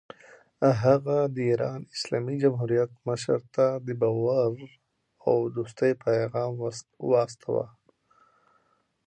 هغه د ایران اسلامي جمهوریت مشر ته د باور او دوستۍ پیغام واستاوه.